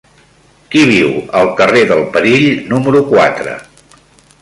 Qui viu al carrer del Perill número quatre?